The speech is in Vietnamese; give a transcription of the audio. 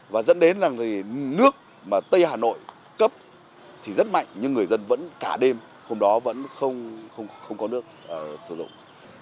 và dẫn đến là nước mà tây hà nội cấp thì rất mạnh nhưng người dân vẫn cả đêm hôm đó vẫn không có nước sử dụng